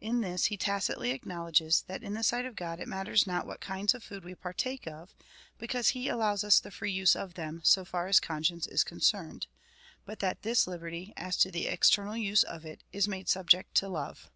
In this he tacitly acknowledges, that in the sight of God it matters not what kinds of food we partake of, because he allows us the free use of them, so far as conscience is concerned ; but that this liberty, as to the external use of it, is made subject to love.